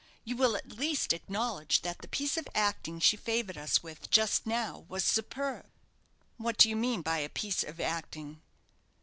You will at least acknowledge that the piece of acting she favoured us with just now was superb." "What do you mean by 'a piece of acting'?"